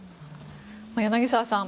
柳澤さん